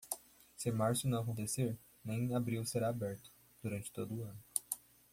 Se março não acontecer, nem abril será aberto, durante todo o ano.